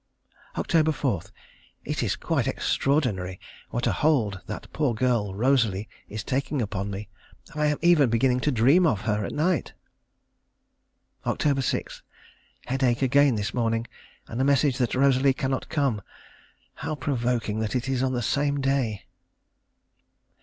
Oct. 4. It is quite extraordinary what a hold that poor girl, Rosalie, is taking upon me. I am even beginning to dream of her at night.... Oct. 6. Headache again this morning, and a message that Rosalie cannot come. How provoking that it is on the same day....